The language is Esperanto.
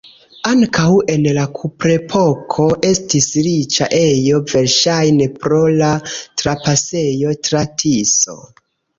Ankaŭ en la kuprepoko estis riĉa ejo, verŝajne pro la trapasejo tra Tiso.